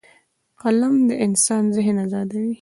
قلم د انسان ذهن ازادوي